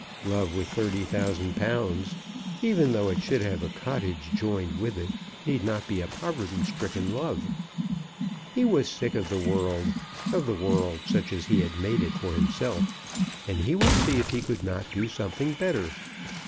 Love with thirty thousand pounds, even though it should have a cottage joined with it, need not be a poverty stricken love. He was sick of the world, of the world such as he had made it for himself, and he would see if he could not do something better.